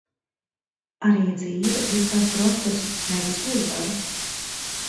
Arī dzīve ir par procesu, nevis uzvaru.